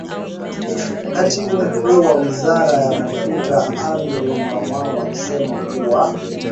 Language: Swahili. Katibu Mkuu wa Wizara ya Mafuta Andrew Kamau alisema kuwa.